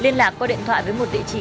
liên lạc qua điện thoại với một địa chỉ